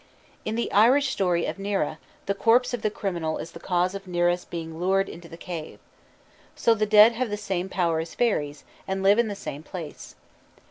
In the Irish story of Nera (q. v.), the corpse of the criminal is the cause of Nera's being lured into the cave. So the dead have the same power as fairies, and live in the same place.